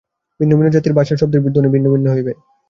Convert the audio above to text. ভিন্ন ভিন্ন জাতির ভাষায় শব্দের ধ্বনি ভিন্ন ভিন্ন হইবে।